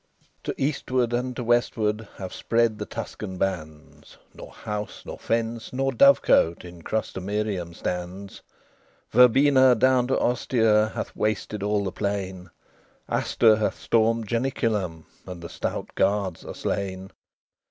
XVII To eastward and to westward Have spread the Tuscan bands; Nor house, nor fence, nor dovecote In Crustumerium stands. Verbenna down to Ostia Hath wasted all the plain; Astur hath stormed Janiculum, And the stout guards are slain.